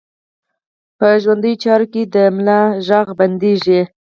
په ژوندو چارواکو د ملا غږ بندېږي.